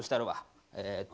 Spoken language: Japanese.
えっと。